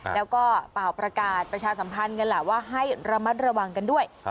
แล้วก็เป่าประกาศประชาสัมพันธ์กันแหละว่าให้ระมัดระวังกันด้วย